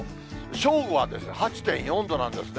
正午は８．４度なんですね。